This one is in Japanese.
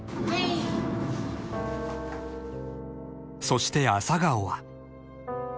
［そして朝顔は］